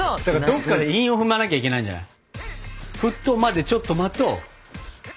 どっかで韻を踏まなきゃいけないんじゃない？